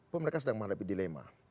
pemerintah sedang menghadapi dilema